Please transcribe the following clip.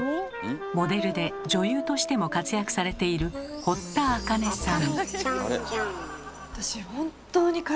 モデルで女優としても活躍されている堀田茜さん。